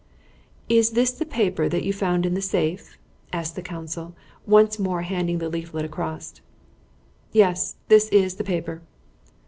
"Is this the paper that you found in the safe?" asked the counsel, once more handing the leaflet across. "Yes; this is the paper."